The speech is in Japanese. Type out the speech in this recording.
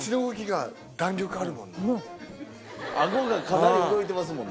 あごがかなり動いてますもんね。